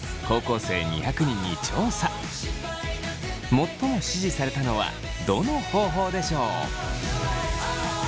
最も支持されたのはどの方法でしょう？